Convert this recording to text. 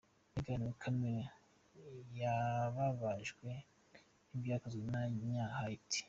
Meghan Markle yababajwe n’ibyakozwe n’abanya Haiti.